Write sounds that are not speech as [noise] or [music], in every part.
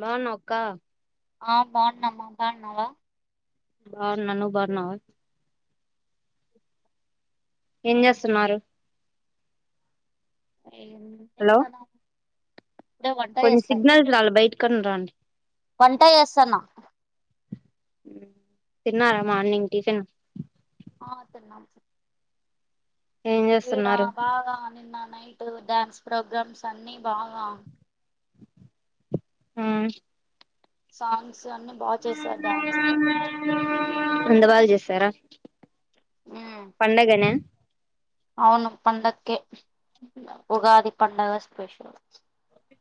బాగునౌ అక్క ఆ బాన్నా నువ్ బాన్నావా బా ఉన్న నువ్ బాన్నావా ఏం జేసున్నారు ఏం జేస్తనం కొంచెం సిగ్నల్స్ రాల బైటిక్కన్న రండి వంట ఏస్సాన్నా తిన్నారా మార్నింగ్ టిఫిన్ ఆ తెన్నాం స్ ఏం ఇడా చేస్తున్నారు బాగా నిన్న నైట్ డ్యాన్స్ ప్రోగ్రామ్స్ అన్ని బాగా ఊ సాంగ్స్ అన్ని బా చేసారు డ్యాన్స్ అంద బాగ చేస్సారా మ్మ్ పండగన అవును పండకే ఉగాది పండగ స్పెషల్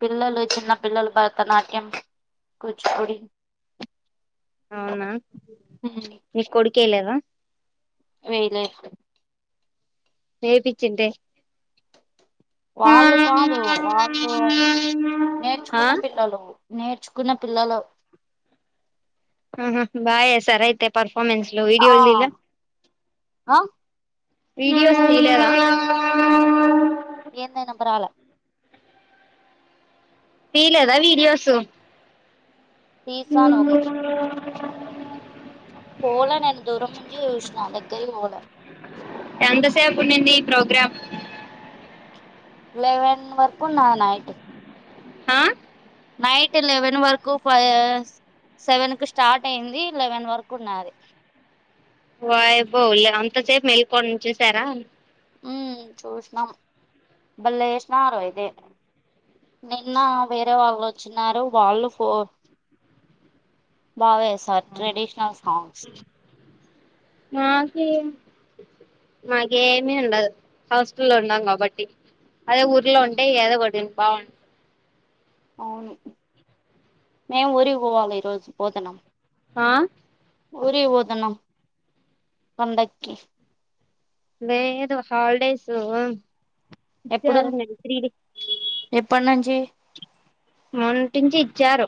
పిల్లలు చిన్న పిల్లలు భరతనాట్యం కూచిపూడి అవునా మీ కొడుకేయలేదా వెయిలేదు ఏపించింటే వాళ్ళు కాదు వాళ్ళు ఆహా నేర్చుకున్న పిల్లలు నేర్చుకున్న పిల్లలు ఉ హు బాగా ఎసార అయితే పర్ఫమెన్స్లు ఆ విడియోల్ దీల ఆ వీడియోస్ తీయలేదా ఏందొ ఇనపరాల తీయలేదా వీడియోస్ తీసాను [inaudible] పోల నేన్ దూరం నుంచి జుషిన దగ్గర్కి వోల ఎంతసేపు ఉన్నింది ప్రోగ్రాం లెవెన్ వరకు ఉన్నా నైట్ ఆ నైట్ లెవెన్ వరకు ఫయర్స్ సెవెన్ కు స్టార్ట్ అయింది లెవెన్ వరకు ఉన్నాది వయ్యబ్బో లెవన్త్ అంతసేపు మేల్కొని చూసారా ఉమ్ చూసినాం బల్లె ఏశినారు అయితే నిన్న వేరే వాళ్ళు వచ్చిన వాళ్ళు ఫో బావేసారు ట్రెడిష్నల్ సాంగ్స్ నాకి నాకేమి ఉండదు హాస్టల్ల్లో ఉన్నాం కాబట్టి అదే ఊర్లో ఉమ్, ఉంటే ఎదో పడిను బా అవును మేం వూరికి బొవాలే ఈరోజు పోతనం ఆ ఒరిక్ వోతానం పండక్కి లేేదు హాలిడేసు అ ఎప్పుడు ఎప్పడ్నుంచి మొన్నటించి ఇచ్చారు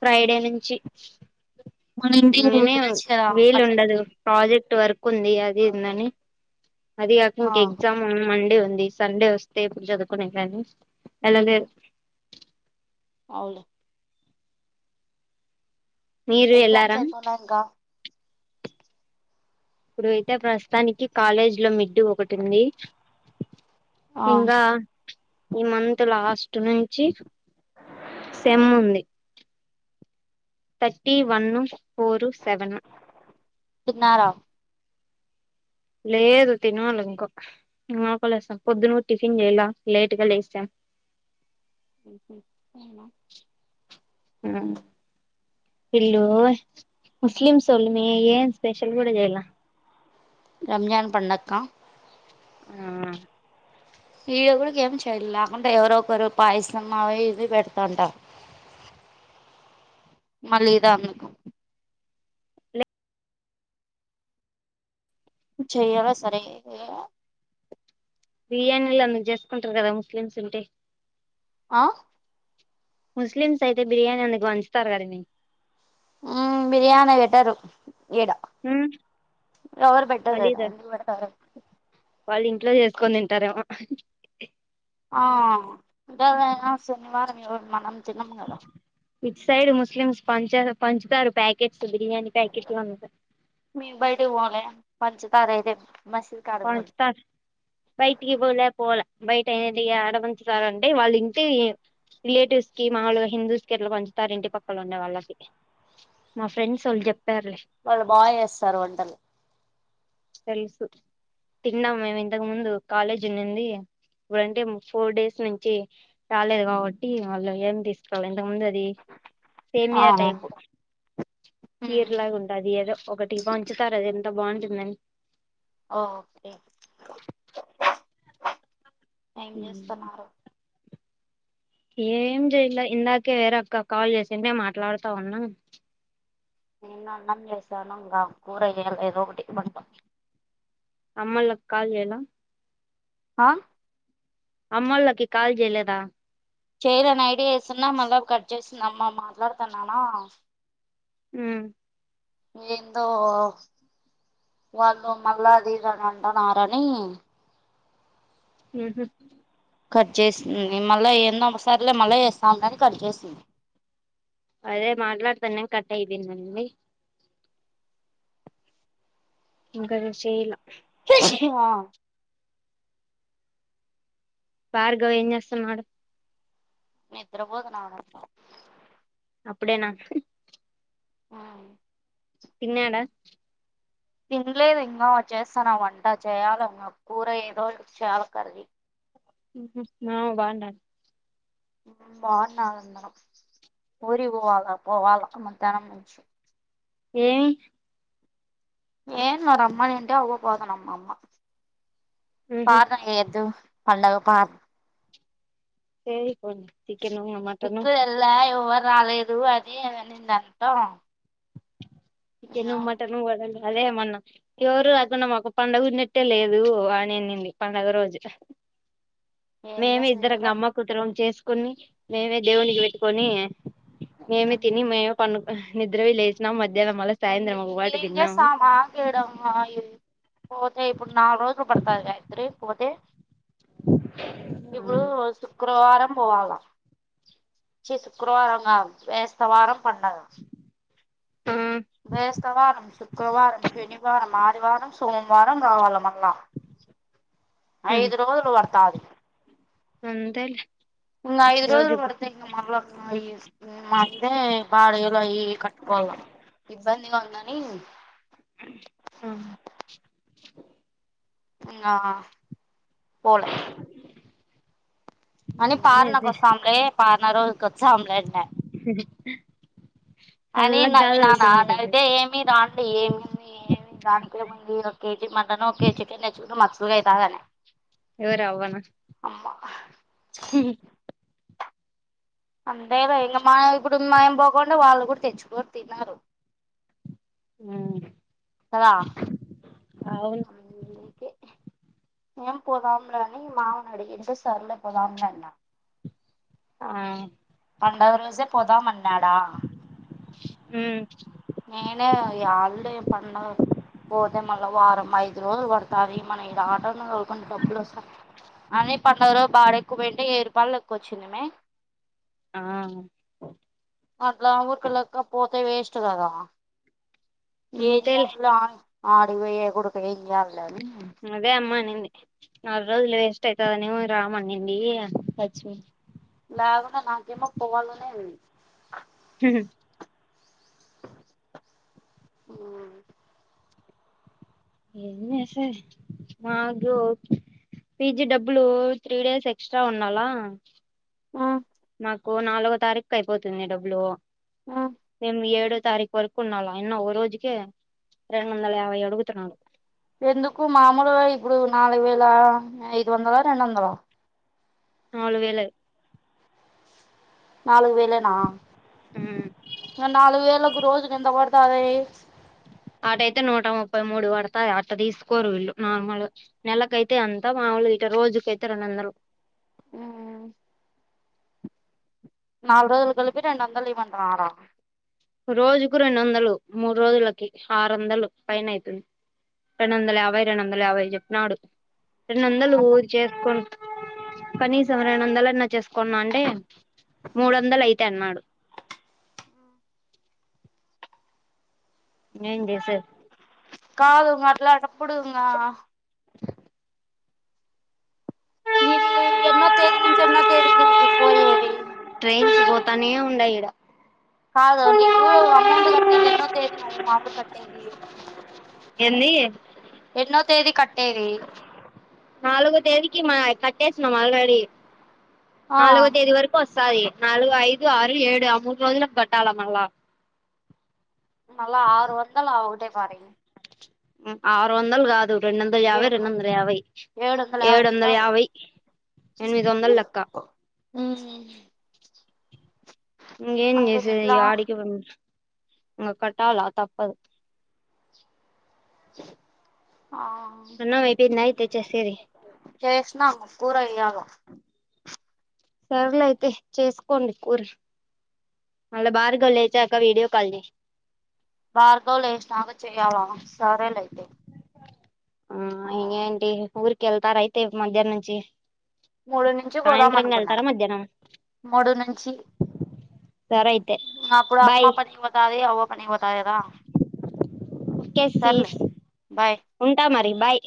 ఫ్రైడే నుంచి మన ఇంటికి ఇ నిలు వెళ్ళొచ్చు కదా వీలు ఉండదు పండక్కి ప్రాజెక్ట్ వర్క్ ఉంది అది ఉందని అది కాక ఆ ఇంక ఎగ్జామ్ ఉన్ మన్ డి ఉంది సండే వస్తే అప్పుడు చదుకునేకి కానీ అలా లేద్ అవులా మీరు ఎగ్జామ్స్ ఎలారా అయిపోయినంకా ఇప్పుడైతే ప్రస్తుతానికి కాలేజీ లో మిడ్డు ఒకటి ఉంది ఆ ఇంగ ఈ మంత్ లాస్ట్ నుంచి సెమ్ ఉంది తర్టీ వన్ ఫోరు సెవను తిన్నారా లేదు తినాలి ఇంక మాకులేస్తాం పొద్దున టిఫిన్ చేయలా లేట్ గా లేస ఉహు అవునా ఆ ఇల్లు ముస్లిమ్స్ ఒళ్ళు మి ఏం స్పెషల్ కూడ చేయలా రంజాన్ పండక్క ఆ ఈడ కూడా ఏం చెయల అంటే ఎవరో ఒకరు పాయస అవి ఇవి పెడతాంట మళ్ళీదా మీకు చెయలే సరే ఏ బిర్యానీలు అంద చేసుకుంటారు కదా ముస్లిమ్స్ ఉంటే అ ముస్లిమ్స్ అయితే బిర్యానీ అందుకు పంచుతారు కదా మీ ఊ బిర్యాణి పెటరు ఈడ ఎవరు మళ్ళీ పెట్టలేద ఎందుకు పెడతారు వాళ్ళు ఇంట్లో చేసుకొని తింటారేమో ఆ గదే ఆ శనివారం ఎవరు మనం తినము కదా విచ్ సైడ్ ముస్లిమ్స్ పంచ పంచుతారు ప్యాకెట్ స్తు బిర్యానీ ప్యాకెట్లు అంతే పంచుతరైతే పంచుతారు బయటికి పోలే పోల బయట ఏంటి ఆడపంచుతారంటే వాళ్ళు ఇంటి రిలేటివ్స్ కి మాములుగా హిందూస్ కి అట్ల పంచుతారు ఇంటి పక్కల ఉండ వాళ్ళకి మా ఫ్రెండ్స్ల్ వోల్ చెప్ వాళ్ళు బా ఏస్తారు వంటలు తెలుసు తిన్నాం మేము ఇంతకు ముందు కాలేజ్ ఉన్నింది ఇప్పుడంటే ఫోర్ డేస్ నుంచి రాలేదు కాబట్టి వాళ్ళు ఏమి తీసుకోలే దొందది సేమయా ఆహా టైపు మ్మ్ చీర్లాగా ఉంటాది ఏదో ఒకటి పంచుతారు అది ఎంత బాగుంటుందం ఓకె ఏం చేస్తున్నారు ఏం చెయలే ఇందాకే వేరే అక్క కాల్ చేసింది మాట్లాడతా ఉన్న నేను అన్నం చేసాను ఇంగ కూర చేయలేదు ఒకటి బంట అమ్మళ్ళకు కాల్ చేయల అ అమ్మళ్ళకి కాల్ చేయలేదా చేయలే నైట్ చేస్తునా మళ్ళా కట్ చేస్తుందమ్మా మాట్లాడుతున్నానా ఉమ్ ఏందో వాళ్ళు మళ్ళా అది ఇదని అంటన్నారని ఉహు కట్ చేసిం నేన్ మళ్ళ చేయన్న ఒ సార్లే మళ్ళ చేస్తాన్నది కట్ చేసింది అదే మాట్లాడతన్నాం కట్ అయింపియనంది ఇంకా చేయల ఆ భార్గవ్ ఏం చేస్తున్నాడు నిద్రపోతున్నాడు అప్పుడేనా ఉ తిన్నాడా తినలేదు ఇంకా చేస్తున్న వంట చేయాలి ఏమన్నా కూర ఏదో చేయాలి కర్రీ ఉహ్ మామ బాడా ఉ బాగునమందరం ఊరి పోవాలా పోవాలా మధ్యానం నుంచి ఏ ఏ మార్ అమ్మా నింటే అ ఒ పోదాం అమ్మ అమ్మా ఉహు పాత ఎద్దు పండగ ప ఏ ఎపోదు చికెను మటను ఎవర్ రాలేదు అని అనిందంత చికెను మట్టను వడలు అదేమొన్న ఎవరు లేకుండా మాకు పండుగ ఉన్నట్టే లేదు అని అన్నింది పండుగ రోజు ఏం మేమే చేస్తది ఇద్దర ఎవరో అమ్మ కూతుర్లం చేసుకోని మేమే దేవునికి పెట్టుకొని మేమే తిని అందుకి మేమే పం నిద్రవి లేచినం మధ్య ఏం జెస్తాం మాట్లాడే పోతే ఇప్పుడు నాలుగు రోజులు పడుత గాయత్రి పోతే ఇప్పుడు శుక్రవారం పోవాల శ శుక్రవారం నా బేస్తవరం పండగ ఆ బేస్తతవారం శుక్రవారం శనివారం ఆదివారం సోమవారం రావాల మళ్ళా ఐదు రోజులు పడతాది అంతేలే ఉ ఐదు రోజులు ఈరోజు పడతే ఇంకా మల మళ్ళ బడలు అవి ఇవి కట్టుకోల ఇబ్బందిగా ఉందని హ ఇగా పోలే కానీ పారనకు అదే వస్తాంలే పారన రోజుకి వచ్చామ్లేట్ కానీ చల్లగా గాలి నవీన వెళ్తుంది నవ్వితే డబ్బయితే ఏమి రాండి ఏముంది దానికి ముందు ఒక కేజీ మటన్ ఒక కేజీ చికెన్ తెచ్చుకుంట మచ్చలు అవుతాందని ఎవరు అవ్వనా అమ్మ హ హీహీ అంతేగ ఇంక మాన ఇప్పుడు మేమ్ పోకుండా వాళ్ళు కూడా తెచ్చుకో తిన్నారు ఉమ్ కదా అందుకే ఏం పోదామురాని మామనీ అడిగింది సర్లే పోదాములే అన్నా ఆమ్ పండగ రోజే పోదమానడ ఉమ్ ఆ యల్దేం పండగ పోతే మళ్ళా వారం ఐదు రోజులు వడ్తాది మన ఇడ ఆటన్న దోల్కొని డబ్బులు వొస్తయ్ అయినే పండుగలో బాడ ఎక్కువ పెడితే ఏయి రూపాలు ఎక్కువొచ్చిందిమే ఆ అట్లా ఊరిక లెక్క పోతే వేస్ట్ కదా ఏం అంతేలే కాదూ ఆమె ఆడికివొయ్యే గుడుకేం ఏంకాదులేని అదే అమ్మనింది నాలు రోజులు ఎస్టే కదాని రామనిండి వచ్చా లాగునే నాకేమో పోవాలనే ఉంది హు హు ఊ ఏం చేసేదే భార్గవ్ పీజీ డబ్బులూ త్రీ డేస్ ఎక్స్ట్రా ఉండాలా నాకు నాలుగో తారీఖైపోతుంది డబ్బులు మేం ఏడో తారీఖు వరకు ఉన్నాల అయన్న ఓ రోజుకే రెండొందల యాభై అడుగుతున్నాడు ఎందుకు మామూలుగా ఇప్పుడు నాలుగు వేలా ఐదు వొందలా రెండు వొందలా నాలుగు వేలే నాలుగు వేలేనా ఉమ్ నాలుగు వేలకు రోజుకెంత బడ్తాది అటైతే నూట ముప్పై మూడు వడ్తది అట్ట దీస్కోరు వీళ్ళు నార్మల్ నెలకైతే అంతా మాములే ఇక రోజుకైతే రెండొందలు ఉమ్ నాల్ రోజులు గలిపి రెండొందల్ ఇయ్మంటనరా రోజుకు రెండోందలు మూడురోజులకి ఆరొందలు పైన ఐతుంది రెండొందల యాభై రెండొందల యాభై జెప్పినాడు మ్మ్ రెండొందలు అట్లా చేస్కోన్ కనీసం రెండొందలన్నా చేస్కోన్నాంటే మూడొందలైతే అన్నాడు నెంజేసేర్ ఇలాంటప్పుడింగా మీది ఎన్నో తేదీ నుంచి ఎన్నో తేదీకి నీకేకువైయది ట్రైన్స్ బోతానే ఉండాయిడ కాదు నీకు అమౌంట్ కట్నేది ఎన్నో తేదీ నువ్ మాములు కట్టేది ఎన్నీ ఎన్నో తేదీ కట్టేది నాలుగో తేదీకి మాయ్ కట్టేసినం ఆల్రెడీ ఆ నాలుగో తేదీ వరకు వస్తాది నాలుగైదు ఆరు ఏడు ఆ మూడు రోజులక్ గట్టాల మళ్ళ మల ఆరు వందాలు ఆ ఒకటే సారి ఆరు వందలు గాదు రెండొందల్ యాభై ఏడు వం రెండొందల్ యాభై ఏడొందల్ యాభై ఎనిమిది వందలు లెక్క ఉమ్మ్మ్ ఇంగేమ్ జేసేది యాడికే ఇంగ కట్టాల తప్పదు హ అన్నం అయిపోయిందా అయితే చేసేది చేస్నం కూరెయ్యాల సర్లే అయితే చేసుకోండి కూర మళ్ళ భార్గవ్ లేచాక వీడియో కాల్ జెయ్ భార్గవ్ లేశ్నాక చేయాలా సరేలే ఐతే ఆ ఇగేంటి ఊరికెళ్తారైతే మధ్యాహ్న నుంచి మూడు నుంచి సాయంత్రం బోదామనుకున్నా వెళ్తారా మధ్యాహ్నం మూడు నుంచి సరే అయితే అప్పుడు అమ్మా బాయ్ పనికిపోతది అవప్ పనిపోతాది గదా ఓకే సర్లే సీస్ బాయ్ ఉంటా మరి బాయ్